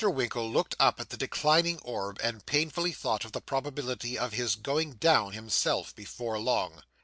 Winkle looked up at the declining orb and painfully thought of the probability of his 'going down' himself, before long.